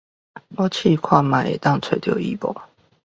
我試看會當揣著伊無